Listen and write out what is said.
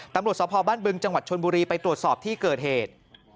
ตำรวจสภบ้านบึงจังหวัดชนบุรีไปตรวจสอบที่เกิดเหตุ